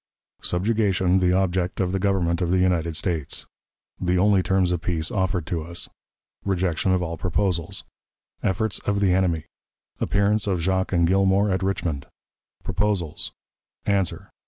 Subjugation the Object of the Government of the United States. The only Terms of Peace offered to us. Rejection of all Proposals. Efforts of the Enemy. Appearance of Jacques and Gilmore at Richmond. Proposals. Answer.